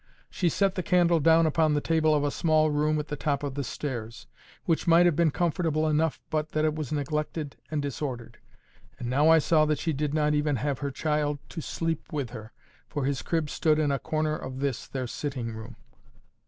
She set the candle down upon the table of a small room at the top of the stairs, which might have been comfortable enough but that it was neglected and disordered; and now I saw that she did not even have her child to sleep with her, for his crib stood in a corner of this their sitting room.